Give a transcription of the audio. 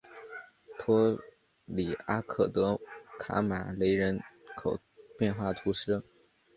托里阿克德卡马雷人口变化图示